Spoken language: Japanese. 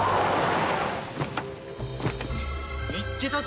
見つけたぞ！